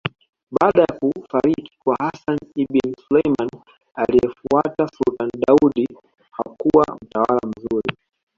Baada ya kufariki kwa Hassan Ibin Suleman aliyefuata Sultan Daudi hakuwa mtawala mzuri